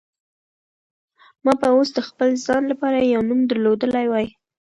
ما به اوس د خپل ځان لپاره یو نوم درلودلی وای.